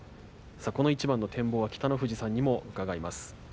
この一番の展望は北の富士さんにも伺います。